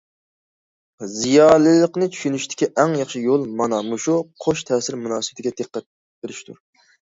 زىيالىيلىقنى چۈشىنىشتىكى ئەڭ ياخشى يول مانا مۇشۇ قوش تەسىر مۇناسىۋىتىگە دىققەت بېرىشتۇر.